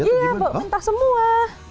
iya entah semua